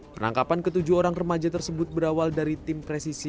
penangkapan ketujuh orang remaja tersebut berawal dari tim presisi